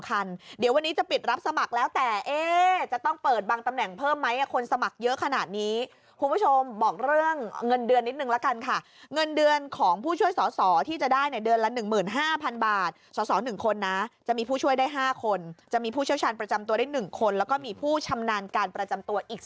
ขอร้องผมขอร้องเดี๋ยวจะรู้ไม่ใช่ผม